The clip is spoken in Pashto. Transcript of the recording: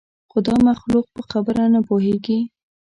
خو دا مخلوق په خبره نه پوهېږي.